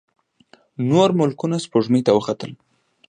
نور ملکونه سپوږمۍ ته وختل.